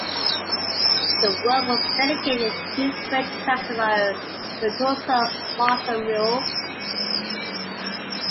The work was dedicated to French saxophone virtuoso, Marcel Mule.